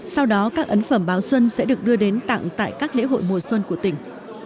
sau đó các ấn phẩm báo xuân sẽ được đưa đến tặng tại các lễ hội mùa xuân của tỉnh